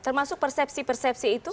termasuk persepsi persepsi itu